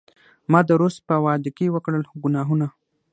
ما د روس په واډکې وکړل ګناهونه